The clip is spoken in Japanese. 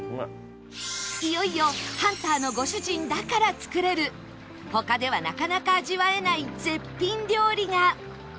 いよいよハンターのご主人だから作れる他ではなかなか味わえない絶品料理が